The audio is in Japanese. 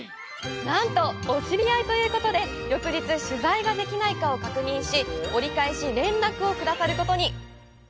なんと、お知り合いということで、翌日、取材ができないかを確認し、折り返し連絡をくださることに！